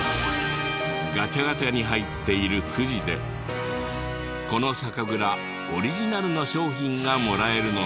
ガチャガチャに入っているクジでこの酒蔵オリジナルの商品がもらえるのです。